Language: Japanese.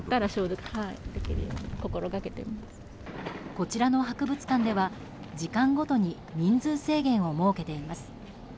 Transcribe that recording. こちらの博物館では時間ごとに人数制限を設けています。